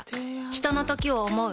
ひとのときを、想う。